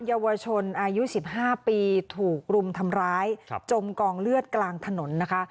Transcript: เยาวชนอายุ๑๕ปีถูกรุมทำร้ายจมกองเลือดกลางถนนนะคะ